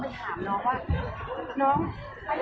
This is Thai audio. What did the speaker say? เวลาแรกพี่เห็นแวว